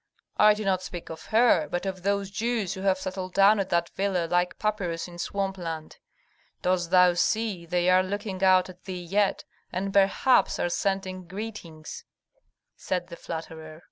"I do not speak of her, but of those Jews who have settled down at that villa like papyrus in swamp land. Dost thou see, they are looking out at thee yet, and perhaps are sending greetings," said the flatterer.